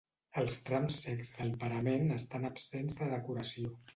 Els trams cecs del parament estan absents de decoració.